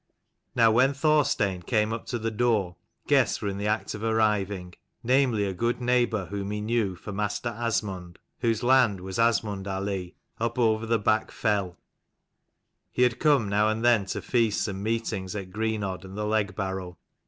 Now when Thorstein came up to the door, guests were in the act of arriving: namely a good neighbour whom he knew for Master Asmund, whose land was Asmundar lea, away over the back fell : he had come now and then to feasts and meetings at Greenodd and the Legbarrow.